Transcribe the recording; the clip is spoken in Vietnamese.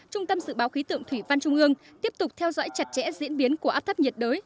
trung tâm dự báo khí tượng thủy văn trung ương tiếp tục theo dõi chặt chẽ diễn biến của áp thấp nhiệt đới